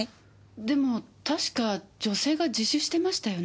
でも確か女性が自首してましたよね？